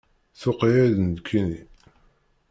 Tuqiɛ-yi-d nekkini.